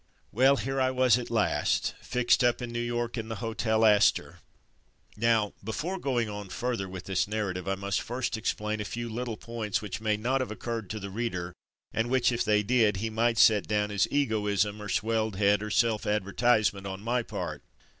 Well, here I was at last, fixed up in New York in the Hotel Astor. Now, before go ing on further with this narrative, I must first explain a few little points which may not have occurred to the reader and which, if they did, he might set down as egoism or swelled head, or self advertisement on my part.